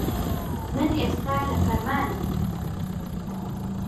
من ئێستا لە فەرمانم.